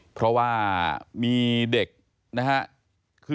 เพราะว่ามีเด็ก